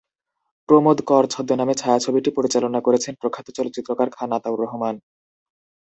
প্রমোদ কর ছদ্মনামে ছায়াছবিটি পরিচালনা করেছেন প্রখ্যাত চলচ্চিত্রকার খান আতাউর রহমান।